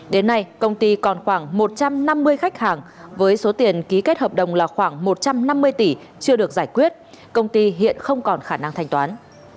đến nay công ty còn khoảng một trăm năm mươi khách hàng với số tiền ký kết hợp đồng là khoảng một trăm năm mươi tỷ chưa được giải quyết công ty hiện không còn khả năng thanh toán